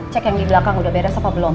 cek yang di belakang udah beres apa belum